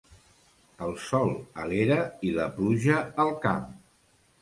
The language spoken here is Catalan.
El sol a l'era i la pluja al camp.